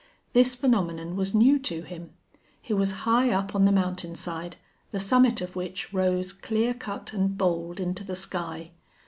This phenomenon was new to him. He was high up on the mountain side, the summit of which rose clear cut and bold into the sky.